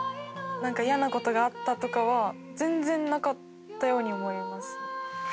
何か嫌なことがあったとかは全然なかったように思います。